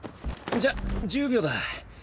じゃあ１０秒だ。